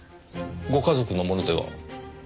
ご家族のものでは？